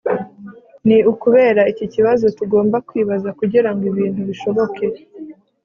ni ukubera iki ikibazo tugomba kwibaza kugirango ibintu bishoboke